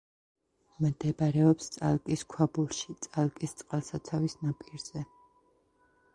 მდებარეობს წალკის ქვაბულში, წალკის წყალსაცავის ნაპირზე.